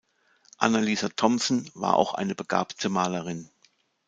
Anna-Lisa Thomson war auch eine begabte Malerin.